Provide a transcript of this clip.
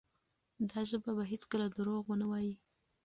دا ژبه به هیڅکله درواغ ونه وایي.